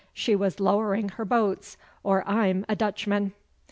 She was lowering her boats, or I'm a Dutchman.